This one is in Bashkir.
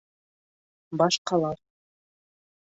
Башҡалар: